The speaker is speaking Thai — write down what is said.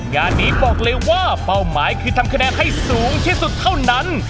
งานนี้บอกเลยว่าเป้าหมายคือทำคะแนนให้สูงที่สุดเท่านั้น